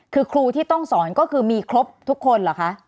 คือครูที่ต้องสอนก็คือมีครบทุกคนเหรอคะ